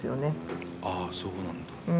ああそうなんだ。